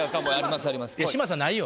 嶋佐ないよ。